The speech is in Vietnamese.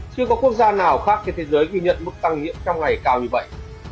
chưa có quốc gia nào khác trên thế giới ghi nhận mức tăng nhiễm trong ngày cao như vậy